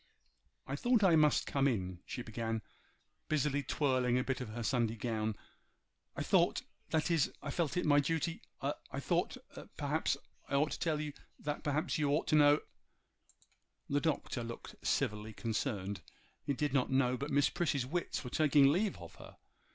'I thought I must come in,' she began, busily twirling a bit of her Sunday gown. 'I thought—that is I felt it my duty—I thought—perhaps—I ought to tell you—that perhaps you ought to know—' The Doctor looked civilly concerned. He did not know but Miss Prissy's wits were taking leave of her.